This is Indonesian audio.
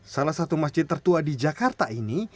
salah satu masjid tertua di jakarta ini